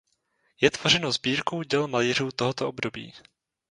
Je tvořeno sbírkou děl malířů tohoto období.